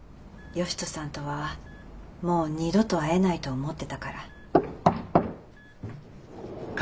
善人さんとはもう二度と会えないと思ってたから。